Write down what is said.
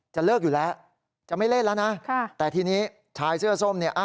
จะเลิกอยู่แล้วจะไม่เล่นแล้วนะแต่ทีนี้ชายเสื้อส้มเนี่ย